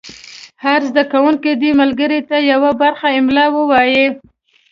هر زده کوونکی دې ملګري ته یوه برخه املا ووایي.